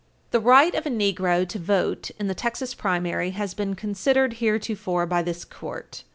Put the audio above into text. The right of a Negro to vote in the Texas primary has been considered heretofore by this Court.